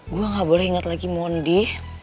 gue nggak boleh inget lagi mondi